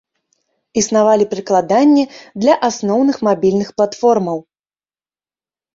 Існавалі прыкладанні для асноўных мабільных платформаў.